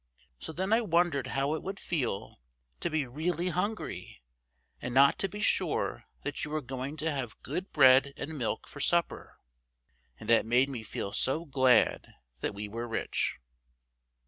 So then I wondered how it would feel to be really hungry, and not to be sure that you were going to have good bread and milk for supper; and that made me feel so glad that we were rich."